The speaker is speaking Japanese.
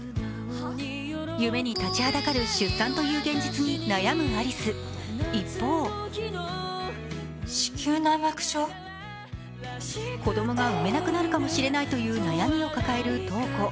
夢に立ちはだかる出産という現実に悩む有栖、一方子供が産めなくなるかもしれないという悩みを抱える瞳子。